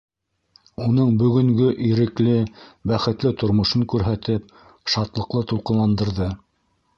Уның бөгөнгө ирекле, бәхетле тормошон күрһәтеп, шатлыҡлы тулҡынландырҙы.